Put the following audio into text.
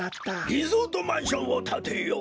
リゾートマンションをたてよう！